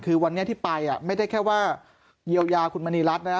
คือวันนี้ที่ไปไม่ได้แค่ว่าเยียวยาคุณมณีรัฐนะ